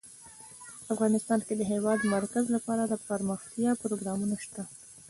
افغانستان کې د د هېواد مرکز لپاره دپرمختیا پروګرامونه شته.